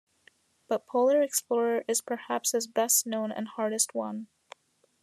But polar explorer is perhaps his best known and hardest-won.